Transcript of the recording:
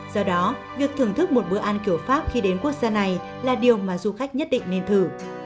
do đó việc thưởng thức một bữa ăn kiểu pháp khi đến quốc gia này là điều mà du khách nhất định nên thử